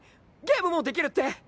ゲームもできるって！